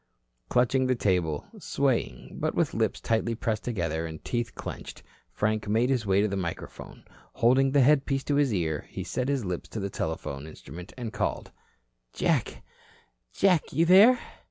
Clutching the table, swaying, but with lips tightly pressed together and teeth clenched, Frank made his way to the microphone. Holding the headpiece to his ear, he set his lips to the telephone instrument and called: "Jack, Jack, you there?"